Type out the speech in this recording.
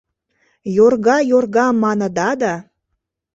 Йорга, йорга маныда да